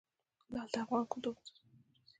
لعل د افغان کلتور په داستانونو کې راځي.